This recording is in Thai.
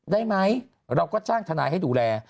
ได้ไหมเราก็จ้างทนายให้ดูแล